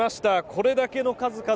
これだけの数々。